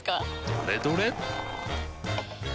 どれどれっ！